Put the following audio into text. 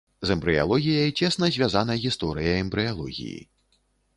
З эмбрыялогіяй цесна звязана гісторыя эмбрыялогіі.